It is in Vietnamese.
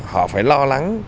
họ phải lo lắng